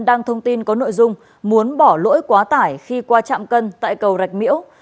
đăng thông tin có nội dung muốn bỏ lỗi quá tải khi qua trạm cân tại cầu rạch miễu